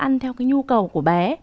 ăn theo cái nhu cầu của bé